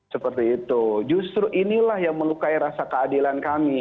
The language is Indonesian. seperti itu justru inilah yang melukai rasa keadilan kami